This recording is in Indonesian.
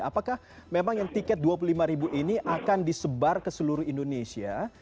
apakah memang yang tiket dua puluh lima ribu ini akan disebar ke seluruh indonesia